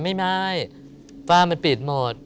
ไม่ฝ้ามันปิดหมด